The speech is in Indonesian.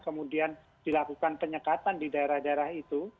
kemudian dilakukan penyekatan di daerah daerah itu